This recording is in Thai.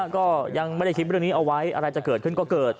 ก็ยังไม่ได้คิดเรื่องนี้เอาไว้อะไรจะเกิดขึ้นก็เกิด